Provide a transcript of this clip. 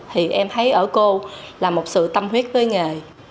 thì em thấy ở cô là một sự tâm huyết với nghề